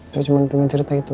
saya cuma pengen cerita itu